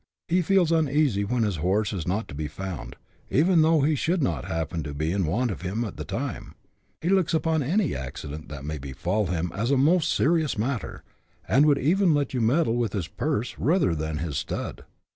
He feels uneasy when his horse is not to be found, even though he should not happen to be in want of him at the time ; he looks upon any accident that may befall him as a most serious matteT, and would even let you meddle with his purse rather than his stud.